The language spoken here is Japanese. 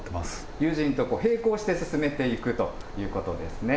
有人と並行して進めていくということですね。